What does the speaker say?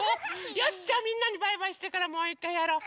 よしじゃあみんなにバイバイしてからもういっかいやろう！